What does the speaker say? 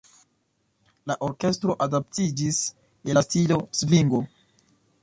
La orkestro adaptiĝis je la stilo "svingo".